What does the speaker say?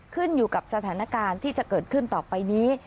ขึ้นอยู่กับสถานการณ์ที่จะเกิดขึ้นต่อไปนี้